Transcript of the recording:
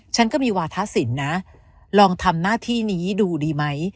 ฉันก็มีวาทะสินนะลองทำหน้าที่นี้ดูดีไหม